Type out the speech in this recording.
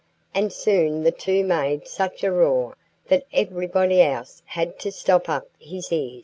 And soon the two made such a roar that everybody else had to stop up his ears.